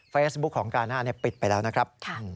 เฟซบุ๊คของกาน่าปิดไปแล้วนะครับ